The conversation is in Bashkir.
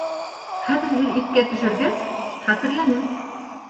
Хәҙер, һеҙ иҫкә төшөргәс, хәтерләнем